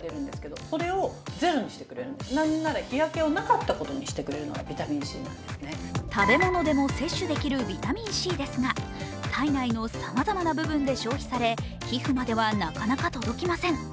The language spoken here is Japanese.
街行く人に最も成分買いされていたのがこちら食べ物でも摂取できるビタミンＣですが体内のさまざまな部分で消費され皮膚まではなかなか届きません。